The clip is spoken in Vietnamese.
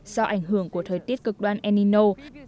do ảnh hưởng của thời tiết cực đoan enino